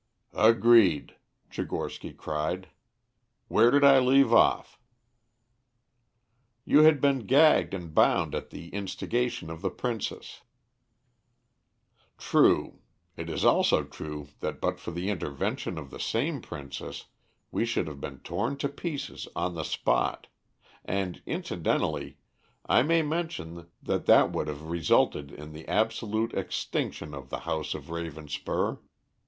"Agreed," Tchigorsky cried. "Where did I leave off?" "You had been gagged and bound at the instigation of the princess." "True. It is also true that but for the intervention of the same princess we should have been torn to pieces on the spot; and, incidentally, I may mention that that would have resulted in the absolute extinction of the house of Ravenspur.